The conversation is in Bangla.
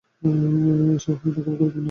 এসো, এটা খুবই গুরুত্বপূর্ণ।